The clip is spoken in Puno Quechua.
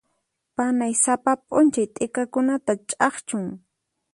Panay sapa p'unchay t'ikakunata ch'akchun.